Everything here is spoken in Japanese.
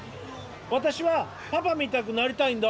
「私はパパみたくなりたいんだ」。